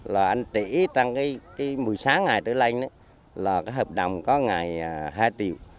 là anh chỉ trong cái một mươi sáu ngày tới lên là cái hợp đồng có ngày hai triệu